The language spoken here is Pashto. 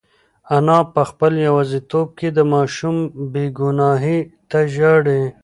انا په خپل یوازیتوب کې د ماشوم بېګناهۍ ته ژاړي.